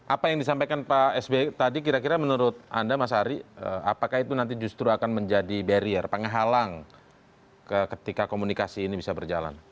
apa yang disampaikan pak sby tadi kira kira menurut anda mas ari apakah itu nanti justru akan menjadi barrier penghalang ketika komunikasi ini bisa berjalan